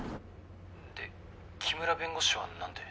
で木村弁護士は何て？